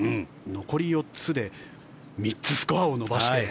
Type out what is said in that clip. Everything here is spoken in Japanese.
残り４つで３つスコアを伸ばして。